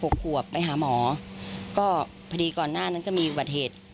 ขวบไปหาหมอก็พอดีก่อนหน้านั้นก็มีอุบัติเหตุ